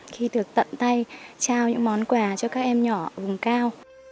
khi được tận tay trao những món quà cho các em nhỏ ở vùng cao